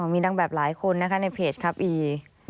มีนางแบบหลายคนนะคะในเพจครับอี